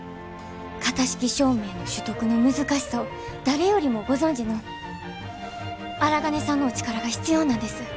型式証明の取得の難しさを誰よりもご存じの荒金さんのお力が必要なんです。